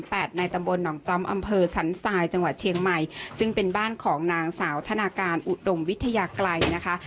ในตำบลหนองจอมอำเภอสันทรายจังหวัดเชียงใหม่ซึ่งเป็นบ้านของนางสาวธนาการอุดมวิทยากรัยนะคะ